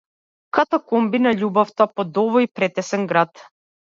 Катакомби на љубовта под овој претесен град.